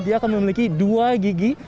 dia akan memiliki dua gigi